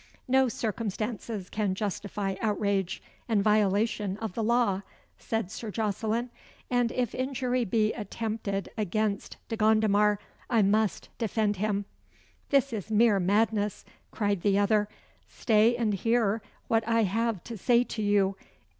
"No circumstances can justify outrage, and violation of the law," said Sir Jocelyn; "and if injury be attempted against De Gondomar, I must defend him." "This is mere madness," cried the other. "Stay and hear what I have to say to you.